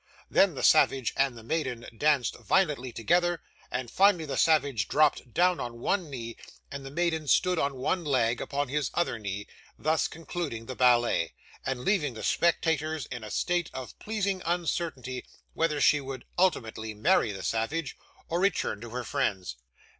Then the savage and the maiden danced violently together, and, finally, the savage dropped down on one knee, and the maiden stood on one leg upon his other knee; thus concluding the ballet, and leaving the spectators in a state of pleasing uncertainty, whether she would ultimately marry the savage, or return to her friends.